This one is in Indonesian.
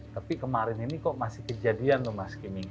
tapi kemarin ini kok masih kejadian tuh mas skimming